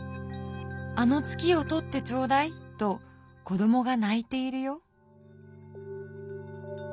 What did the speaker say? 『あの月を取ってちょうだい』と子どもがないているよ」。